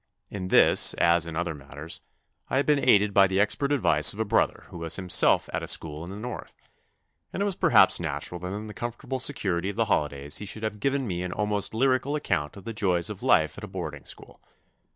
In this, as in other matters, I had been aided by the expert advice of a brother who was himself 47 48 THE NEW BOY at a school in the North, and it was perhaps natural that in the comfortable security of the holidays he should have given me an almost lyrical account of the joys of life at a boarding school.